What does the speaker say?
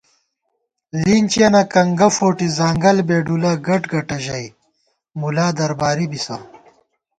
“لِنچِیَنہ کنگہ فوٹی ځانگل بېڈُولہ گٹگٹہ” ژَئی مُلا درباری بِسہ